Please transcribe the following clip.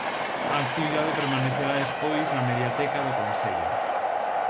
A actividade permanecerá despois na Mediateca do Consello.